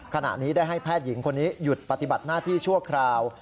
ขณะนี้ได้ให้แพทย์หญิงคนนี้หยุดปฏิบัติหน้าที่ชั่วคราว